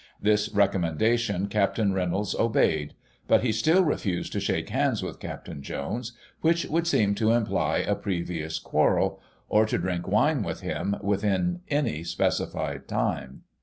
This recommendation Capt. Reynolds obeyed ; but he still refused to shake hands with Capt. Jones, which would seem to imply a previous quarrel, or to drink wine with him within any specified time.